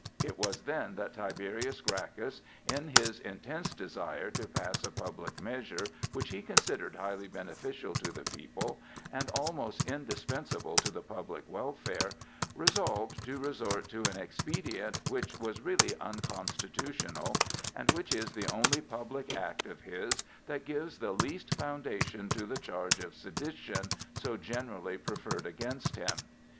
It was then that Tiberius Gracchus, in his intense desire to pass a public measure which he considered highly beneficial to the people and almost indispensable to the public welfare, resolved to resort to an expedient which was really unconstitutional and which is the only public act of his that gives the least foundation to the charge of sedition so generally preferred against him.